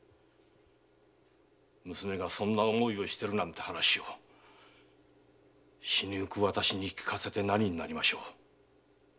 娘がそんな想いでいるなんて話を死にゆく私に聞かせて何になりましょう？